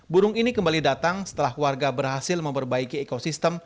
burung ini kembali datang setelah warga berhasil memperbaiki ekosistem